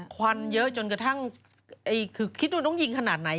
ควันเยอะจนกระทั่งคือคิดดูต้องยิงขนาดไหน